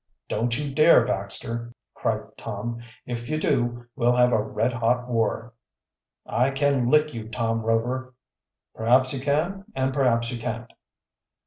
"Don't you dare, Baxter!" cried Tom. "If you do we'll have a red hot war." "I can lick you, Tom Rover!" "Perhaps you can and perhaps you can't."